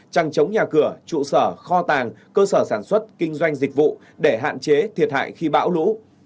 trăng chống nhà cửa trụ sở kho tàng cơ sở sản xuất kinh doanh dịch vụ để hạn chế thiệt hại khi bão lũ